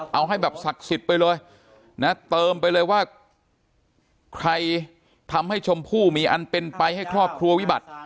เอาให้แบบศักดิ์สิทธิ์ไปเลยนะเติมไปเลยว่าใครทำให้ชมพู่มีอันเป็นไปให้ครอบครัววิบัติ